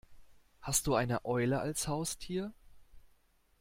Hast du eine Eule als Haustier?